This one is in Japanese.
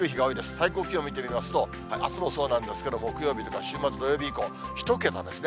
最高気温見てみますと、あすもそうなんですけど、木曜日とか、週末土曜日以降、１桁ですね。